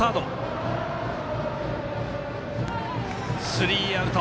スリーアウト。